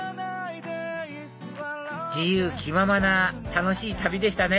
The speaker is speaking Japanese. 自由気ままな楽しい旅でしたね